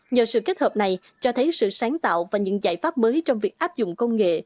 nhờ sự kết hợp này cho thấy sự sáng tạo và những giải pháp mới trong việc áp dụng công nghệ